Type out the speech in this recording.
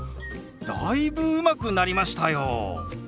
だいぶうまくなりましたよ！